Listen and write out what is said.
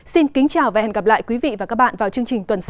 xin kính chào và hẹn gặp lại quý vị và các bạn vào chương trình tuần sau